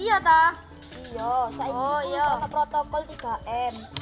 iya saya juga harus pakai protokol tiga m